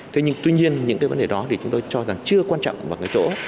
tuy nhiên những vấn đề đó chúng tôi cho rằng chưa quan trọng vào cái chỗ